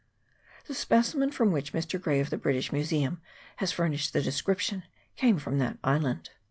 The specimen from which Mr. Gray of the British Museum has furnished the description came from that island.